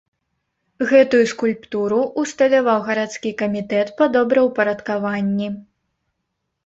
Гэтую скульптуру ўсталяваў гарадскі камітэт па добраўпарадкаванні.